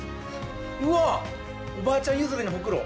うわおばあちゃん譲りのほくろ。